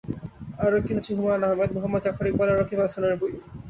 আরও কিনেছে হুমায়ূন আহমেদ, মুহম্মদ জাফর ইকবাল আর রকিব হাসানের বই।